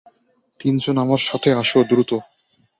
তিনজন আমার সাথে আসো, দ্রুত!